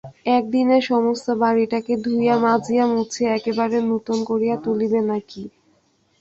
এক দিনে সমস্ত বাড়িটাকে ধুইয়া মাজিয়া মুছিয়া একেবারে নূতন করিয়া তুলিবে না কি?